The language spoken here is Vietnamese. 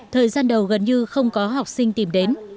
thời gian đầu gần như không có học sinh tìm đến